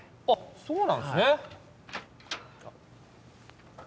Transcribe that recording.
あっそうなんすね